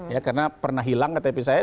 ya karena pernah hilang ktp saya